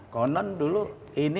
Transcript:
konon dulu ini